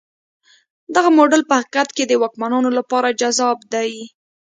دغه موډل په حقیقت کې د واکمنانو لپاره جذاب دی.